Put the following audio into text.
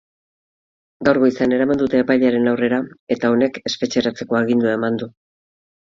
Gaur goizean eraman dute epailearen aurrera, eta honek espetxeratzeko agindua eman du.